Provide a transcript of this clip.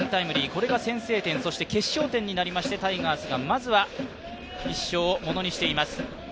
これが先制点、そして決勝点になりましてタイガースがまずは１勝をものにしています。